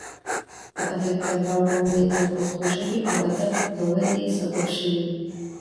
د ادبي دربار غونډې د پښتو ژبې او ادب د ودې سبب شوې.